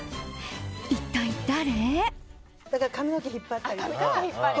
一体、誰？